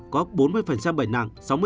có bốn mươi bệnh nặng